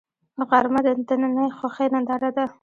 غرمه د دنننۍ خوښۍ ننداره ده